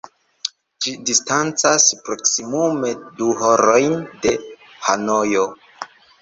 Ĝi distancas proksimume du horojn de Hanojo.